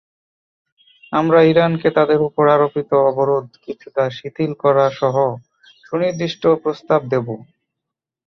আমরা ইরানকে তাদের ওপর আরোপিত অবরোধ কিছুটা শিথিল করাসহ সুনির্দিষ্ট প্রস্তাব দেব।